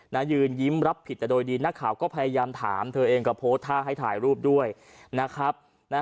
ยืนยิ้มรับผิดแต่โดยดีนักข่าวก็พยายามถามเธอเองก็โพสต์ท่าให้ถ่ายรูปด้วยนะครับ